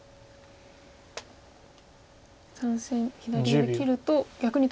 ３線左上切ると逆に取られて。